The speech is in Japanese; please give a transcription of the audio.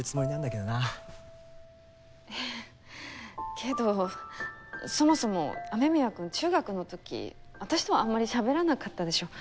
けどそもそも雨宮くん中学の時私とはあんまりしゃべらなかったでしょ？